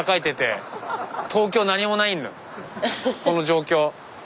この状況。